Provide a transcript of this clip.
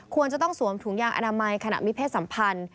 ควรจะต้องสวมถุงยางอนามัยขณะมีเพศสัมพันธ์